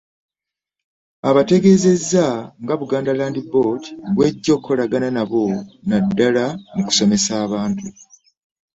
Abategeezezza nga Buganda Land Board bw’ejja okukolagana nabo naddala mu kusomesa abantu.